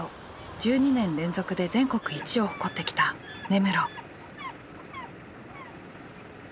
１２年連続で全国一を誇ってきた根室。